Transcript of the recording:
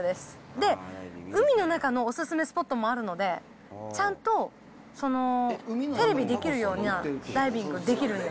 で、海の中のお勧めスポットもあるので、ちゃんとテレビできるようなダイビングができるんで。